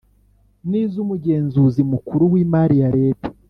N iz umugenzuzi mukuru w imari ya leta